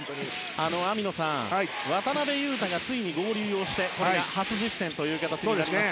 網野さん、渡邊雄太がついに合流をしてこれが初実戦となります。